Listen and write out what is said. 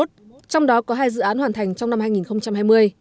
trong đó có hai dự án hoàn thành trong năm hai nghìn hai mươi